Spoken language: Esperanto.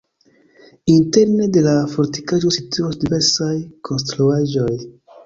Interne de la fortikaĵo situas diversaj konstruaĵoj.